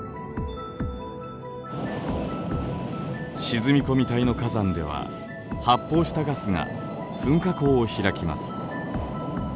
沈み込み帯の火山では発泡したガスが噴火口を開きます。